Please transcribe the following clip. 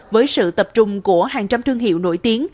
với sự tập trung của hàng trăm thương hiệu nổi tiếng